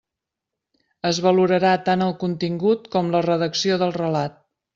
Es valorarà tant el contingut com la redacció del relat.